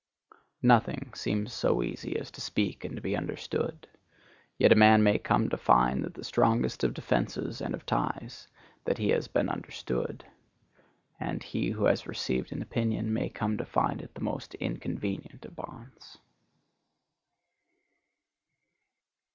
Nothing seems so easy as to speak and to be understood. Yet a man may come to find that the strongest of defences and of ties,—that he has been understood; and he who has received an opinion may come to find it the most inconvenient of bonds.